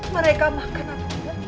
mereka makan atau tidak